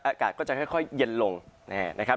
อากาศก็จะค่อยเย็นลงนะครับ